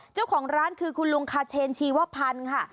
เจ้าของร้านคือคุณลุงคาเชนชีวพันธ์ค่ะ